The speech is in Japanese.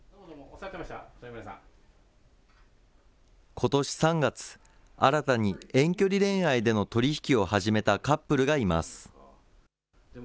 ことし３月、新たに遠距離恋愛での取り引きを始めたカップルがいます。